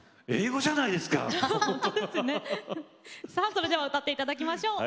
さあそれでは歌っていただきましょう。